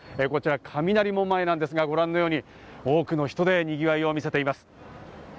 雷門前ですが、ご覧のように多くの人でにぎわいを見せています。